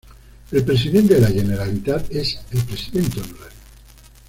El presidente de la Generalitat es el presidente honorario.